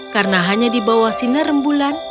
karena hanya di bawah sinar rembulan